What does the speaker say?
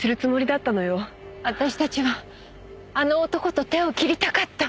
私たちはあの男と手を切りたかった。